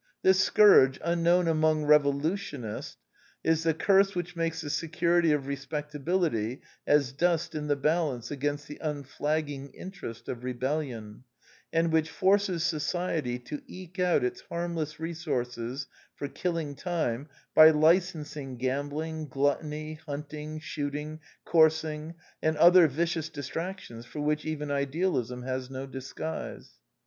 This scourge, unknown among revolutionists, is the curse which makes the se curity of respectability as dust in the balance against the unflagging interest of rebellion, and which forces society to eke out its harmless re sources for killing time by licensing gambling, gluttony, hunting, shooting, coursing, and other vicious distractions for which even idealism has no disguise.